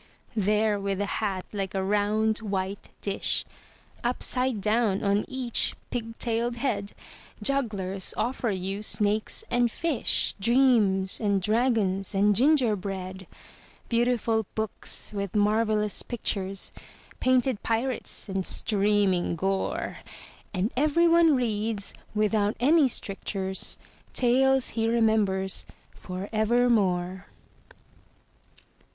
There with a hat like a round, white dish Upside down on each pig tailed head, Jugglers offer you snakes and fish, Dreams and dragons and gingerbread; Beautiful books with marvellous pictures, Painted pirates and streaming gore, And everyone reads, without any strictures, Tales he remembers for evermore.